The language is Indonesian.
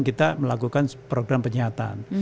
kita melakukan program penyihatan